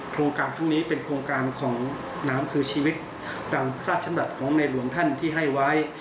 โครงการข้างนี้เป็นโครงการของน้ำคือชีวิตตามพระราชบัญญัติของในหลวงท่านที่ให้ไว้